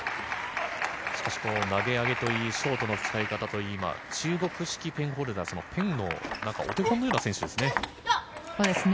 しかし、投げ上げといいショートの使い方といい中国式ペンホルダーペンのお手本のような選手ですね。